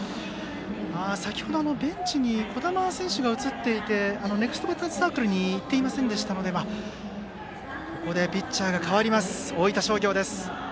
先程、ベンチで児玉選手が映っていてネクストバッターズサークルに行っていませんでしたのでここでピッチャーが代わります大分商業。